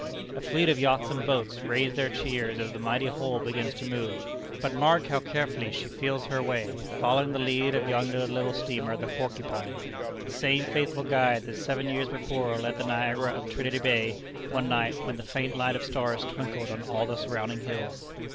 A fleet of yachts and boats raise their cheers as the mighty hull begins to move. But mark how carefully she feels her way, following the lead of yonder little steamer, the Porcupine, the same faithful guide that seven years before led the Niagara up Trinity Bay one night when the faint light of stars twinkled on all the surrounding hills.